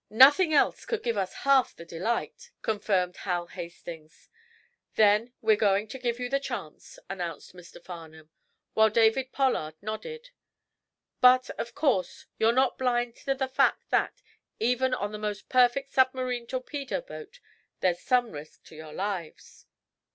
"Nothing else could give us half the delight," confirmed Hal Hastings. "Then we're going to give you the chance," announced Mr. Farnum, while David Pollard nodded. "But, of course, you're not blind to the fact that, even on the most perfect submarine torpedo boat, there's some risk to your lives."